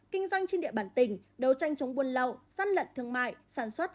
kinh doanh trên địa bản tỉnh đấu tranh chống buôn lậu sát lận thương mại sản xuất